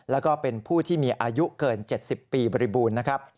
และเป็นผู้ที่มีอายุเกิน๗๐ปีบริบูรณ์